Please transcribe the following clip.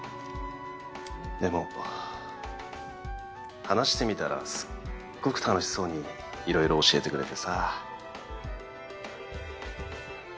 でも話してみたらすっごく楽しそうに色々教えてくれてさ。